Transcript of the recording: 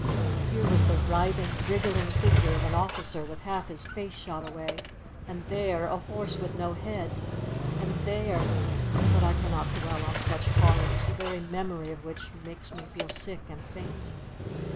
Here was the writhing, wriggling figure of an officer with half his face shot away; and there, a horse with no head; and there—but I cannot dwell on such horrors, the very memory of which makes me feel sick and faint.